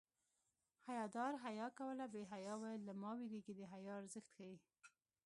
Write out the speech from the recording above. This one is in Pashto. حیادار حیا کوله بې حیا ویل له ما وېرېږي د حیا ارزښت ښيي